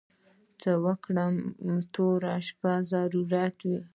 څه وګړي د تورو شپو ضرورت وي.